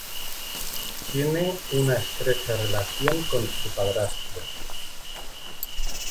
Tiene una estrecha relación con su padrastro.